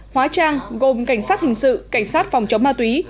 hóa trang gồm cảnh sát hình sự cảnh sát phòng chống ma túy